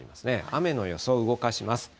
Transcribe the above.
雨の予想を動かします。